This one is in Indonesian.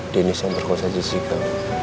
denis yang perkuasa jessica